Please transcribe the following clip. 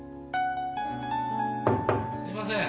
・すいません。